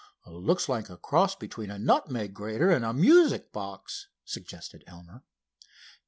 "Looks like a cross between a nutmeg grater and a music box," suggested Elmer.